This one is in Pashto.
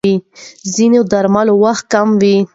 ځینې درملو وېښتې کموي.